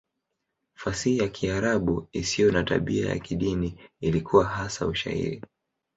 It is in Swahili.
Fasihi ya Kiarabu isiyo na tabia ya kidini ilikuwa hasa Ushairi.